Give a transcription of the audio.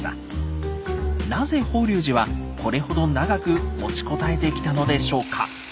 なぜ法隆寺はこれほど長く持ちこたえてきたのでしょうか？